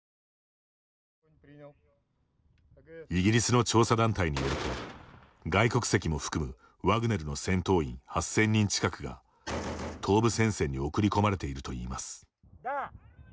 イギリスの調査団体によると外国籍も含むワグネルの戦闘員８０００人近くが東部戦線に送り込まれているといいます。